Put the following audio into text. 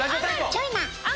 ジョイマン？